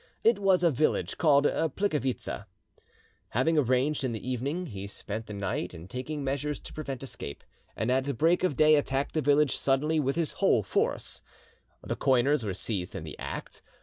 It was a village called Plikivitza. Having arrived in the evening, he spent the night in taking measures to prevent escape, and at break of day attacked the village suddenly with his whole force. The coiners were seized in the act.